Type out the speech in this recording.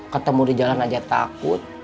ketemu di jalan aja takut